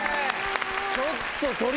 ちょっと。